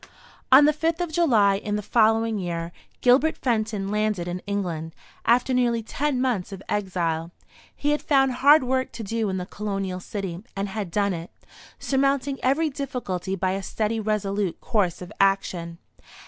On the 5th of July in the following year, Gilbert Fenton landed in England, after nearly ten months of exile. He had found hard work to do in the colonial city, and had done it; surmounting every difficulty by a steady resolute course of action.